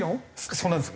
そうなんです。